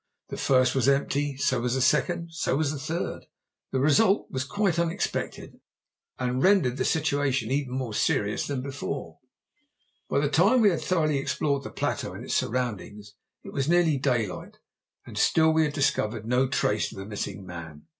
The first was empty, so was the second, and so was the third. This result was quite unexpected, and rendered the situation even more mysterious than before. By the time we had thoroughly explored the plateau and its surroundings it was nearly daylight, and still we had discovered no trace of the missing man.